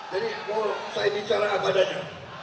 jadi mau saya bicara apa adanya